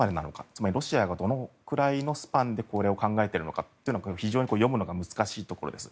つまりロシアがどれくらいのスパンでこれを考えているのか、非常に読むのが難しいところです。